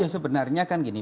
ya sebenarnya kan gini